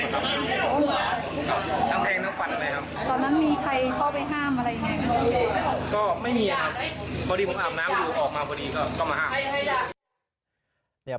พอดีผมอาบน้ำอยู่ออกมาพอดีก็มาห้าม